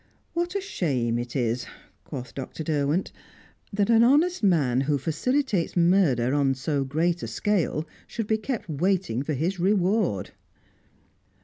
"What a shame it is," quoth Dr. Derwent, "that an honest man who facilitates murder on so great a scale should be kept waiting for his reward!"